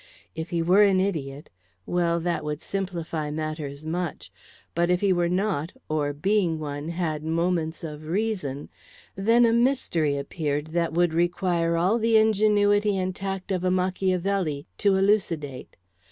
If he were an idiot well, that would simplify matters much; but, if he were not, or, being one, had moments of reason, then a mystery appeared that would require all the ingenuity and tact of a Machiavelli to elucidate.